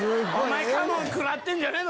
カモン食らってんじゃねえぞ！